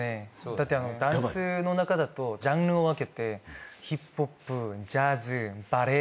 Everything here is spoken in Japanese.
だってダンスの中だとジャンルを分けてヒップホップジャズバレエ。